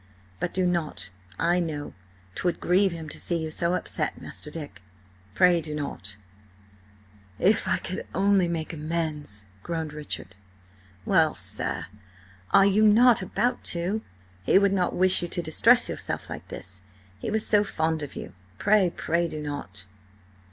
But do not–I know 'twould grieve him to see you so upset, Master Dick–pray, do not—!" "If I could only make amends!" groaned Richard. "Well, sir, are you not about to? He would not wish you to distress yourself like this! He was so fond of you! Pray, pray do not!"